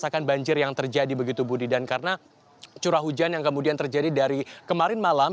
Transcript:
karena curah hujan yang kemudian terjadi dari kemarin malam